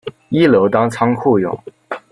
一楼当仓库用